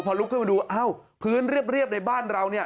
พอลุกขึ้นมาดูพื้นเรียบในบ้านเรา